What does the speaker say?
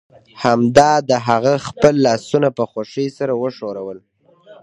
همدا ده هغه خپل لاسونه په خوښۍ سره وښورول